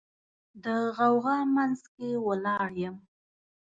د غوغا منځ کې ولاړ یم